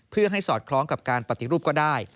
เพื่อให้สอดคล้องกับการปฏิรูปก็ได้